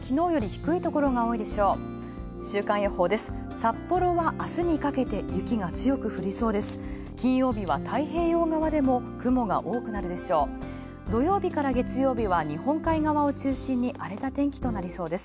札幌は明日にかけて雪が強く降りそうです。